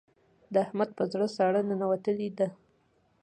د احمد په زړه ساړه ننوتلې ده.